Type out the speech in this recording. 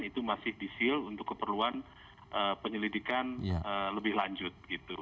itu masih disil untuk keperluan penyelidikan lebih lanjut